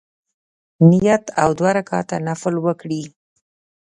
نیت او دوه رکعته نفل وکړي.